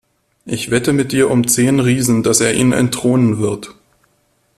Ich wette mit dir um zehn Riesen, dass er ihn entthronen wird!